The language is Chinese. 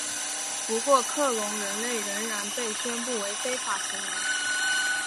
不过克隆人类仍然被宣布为非法行为。